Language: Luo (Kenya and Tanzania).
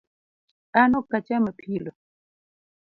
An ok acham apilo